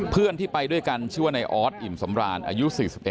เพื่อนที่ไปด้วยกันชื่อว่านายออสอิ่มสำราญอายุ๔๑